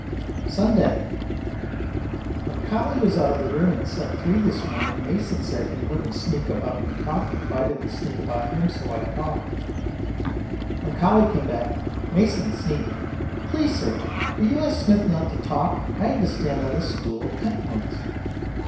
Sunday. When Colly was out of the room in Set 3 this morning Mason said he wouldn't sneak about me talking if I didn't sneak about him so I talked. When Colly came back Mason sneaked, Please sir will you ask Smith not to talk. I had to stand on the stool of penitence.